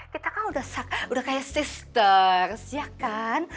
kita kan udah kayak sister ya kan